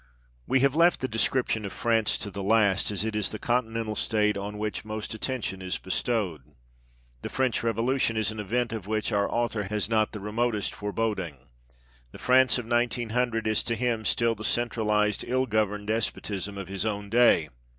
We have left the description of France to the last, as it is the continental state on which most attention is bestowed. The French Revolution is an event of which our author has not the 'remotest foreboding. The France of 1900 is to him still the centralized, ill governed despotism of his own day.